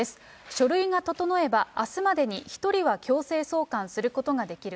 書類が整えば、あすまでに１人は強制送還することができる。